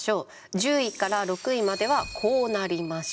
１０位から６位まではこうなりました。